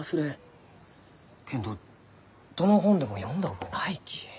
けんどどの本でも読んだ覚えないき。